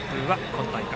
今大会